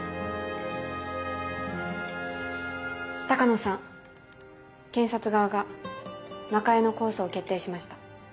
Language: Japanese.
鷹野さん検察側が中江の控訴を決定しました。